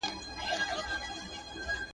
آیا په زده کړه کې پیچلتیا سته؟